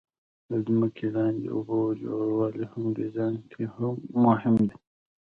د ځمکې لاندې اوبو ژوروالی هم په ډیزاین کې مهم دی